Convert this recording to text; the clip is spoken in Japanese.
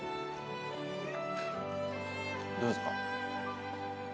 どうですか？